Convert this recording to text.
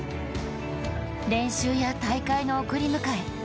練習や大会の送り迎え。